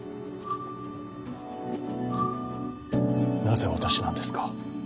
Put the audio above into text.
なぜ私なんですか？